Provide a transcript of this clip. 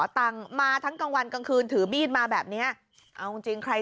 ตังค์มาทั้งกลางวันกลางคืนถือมีดมาแบบเนี้ยเอาจริงจริงใคร